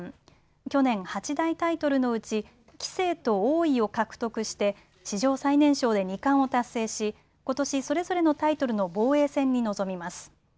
去年、八大タイトルのうち棋聖と王位を獲得して史上最年少で二冠を達成しことし、それぞれのタイトルの防衛戦に臨みます。